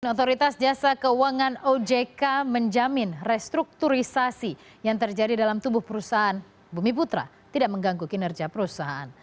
otoritas jasa keuangan ojk menjamin restrukturisasi yang terjadi dalam tubuh perusahaan bumi putra tidak mengganggu kinerja perusahaan